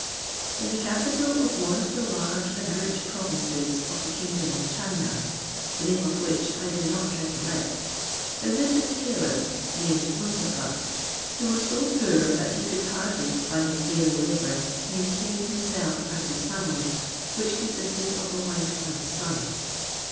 In the capital of one of the large and rich provinces of the kingdom of China, the name of which I do not recollect, there lived a tailor, named Mustapha, who was so poor, that he could hardly, by his daily labour, maintain himself and his family, which consisted of a wife and son.